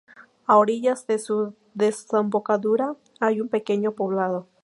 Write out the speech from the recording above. A orillas de su desembocadura, hay un pequeño poblado.